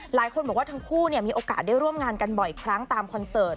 หลายคนบอกว่าทั้งคู่มีโอกาสได้ร่วมงานกันบ่อยครั้งตามคอนเสิร์ต